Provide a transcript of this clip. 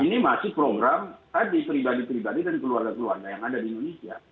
ini masih program tadi pribadi pribadi dan keluarga keluarga yang ada di indonesia